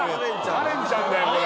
カレンちゃんだよこれ。